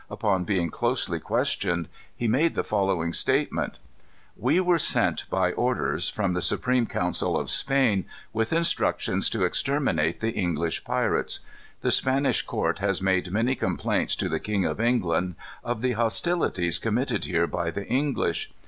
Upon being closely questioned, he made the following statement: "We were sent by orders from the Supreme Council of Spain, with instructions to exterminate the English pirates. The Spanish court has made many complaints to the King of England of the hostilities committed here by the English.